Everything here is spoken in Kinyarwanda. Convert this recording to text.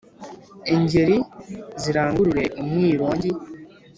ingeri zirangurure umwirongi